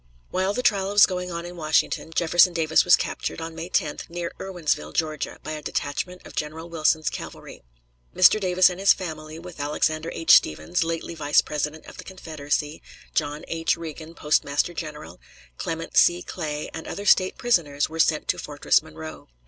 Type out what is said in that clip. While the trial was going on in Washington, Jefferson Davis was captured, on May 10th, near Irwinsville, Ga., by a detachment of General Wilson's cavalry. Mr. Davis and his family, with Alexander H. Stephens, lately Vice President of the Confederacy, John H. Reagan, Postmaster General, Clement C. Clay, and other State prisoners, were sent to Fortress Monroe.